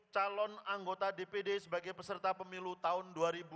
delapan ratus tujuh calon anggota dpd sebagai peserta pemilu tahun dua ribu sembilan belas